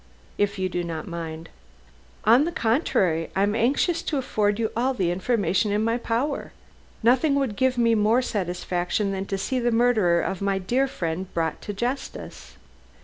"If you do not mind." "On the contrary, I am anxious to afford you all the information in my power. Nothing would give me more satisfaction than to see the murderer of my dear friend brought to justice."